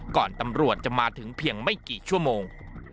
ตำรวจจะมาถึงเพียงไม่กี่ชั่วโมง